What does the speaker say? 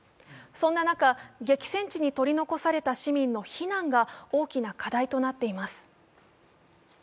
そんな中激戦地に取り残された市民の避難が大きな課題となっています。